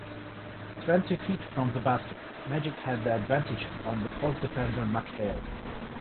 Twenty feet from the basket, Magic had the advantage on the post-defender McHale.